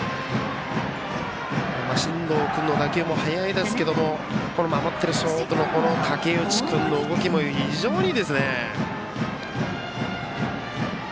進藤君の打球も速いですけど守ってるショートの竹内君の動きも非常にいいですね。